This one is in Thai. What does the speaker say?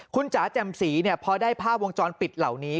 คุณจ๋าแจ่มสีพอได้ภาพวงจรปิดเหล่านี้